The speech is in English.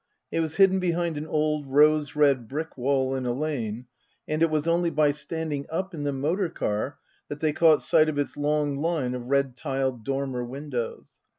It was hidden behind an old rose red brick wall in a lane, and it was only by standing up in the motor car that they caught sight of its long line of red tiled dormer windows.